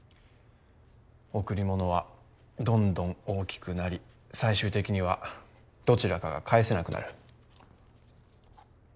贈り物はどんどん大きくなり最終的にはどちらかが返せなくなる。